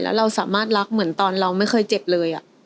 แล้วเราสามารถรักเหมือนตอนเราไม่เคยเจ็บเลย